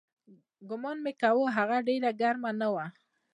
ګومان مې کاوه هغه ډېره ګرمه نه وه.